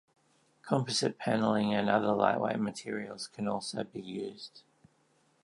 Composite paneling and other lightweight materials can also be used.